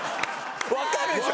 わかるでしょ？